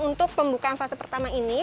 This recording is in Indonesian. untuk pembukaan fase pertama ini